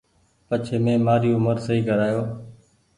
پڇي مين مآري اومر سئي ڪرايو